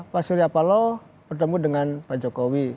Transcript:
pak suryapalo bertemu dengan pak jokowi